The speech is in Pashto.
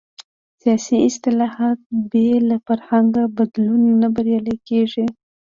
سیاسي اصلاحات بې له فرهنګي بدلون نه بریالي کېږي.